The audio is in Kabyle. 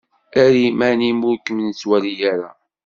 Err iman-im ur kem-nettwali ara.